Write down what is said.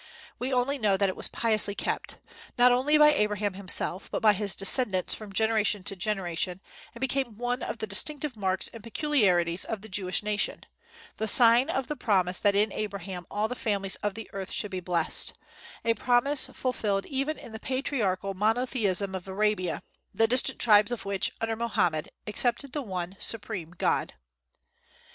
We only know that it was piously kept, not only by Abraham himself, but by his descendants from generation to generation, and became one of the distinctive marks and peculiarities of the Jewish nation, the sign of the promise that in Abraham all the families of the earth should be blessed, a promise fulfilled even in the patriarchal monotheism of Arabia, the distant tribes of which, under Mohammed, accepted the One Supreme God.